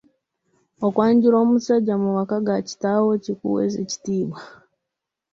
Okwanjula omusajja mu maka ga kitaawo, kikuweesa ekitiibwa.